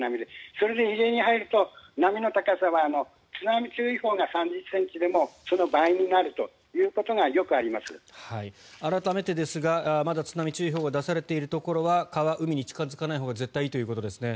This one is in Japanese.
それで、入江に入ると波の高さは津波注意報が３０ｃｍでもその倍になるということが改めてですがまだ津波注意報が出されているところは川、海に近付かないほうが絶対にいいということですね。